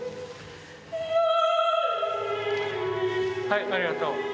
はいありがとう。